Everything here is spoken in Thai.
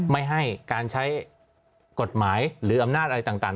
ไม่ให้การใช้กฎหมายหรืออำนาจอะไรต่าง